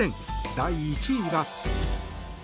第１位は。